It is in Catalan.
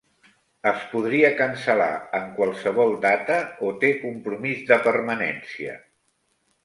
Es podria cancel·lar en qualsevol data o té compromís de permanència?